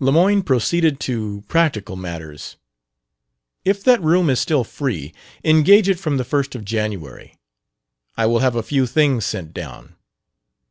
Lemoyne proceeded to practical matters. "If that room is still free, engage it from the first of January. I will have a few things sent down.